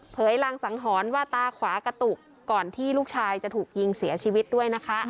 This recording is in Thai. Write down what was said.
รังสังหรณ์ว่าตาขวากระตุกก่อนที่ลูกชายจะถูกยิงเสียชีวิตด้วยนะคะ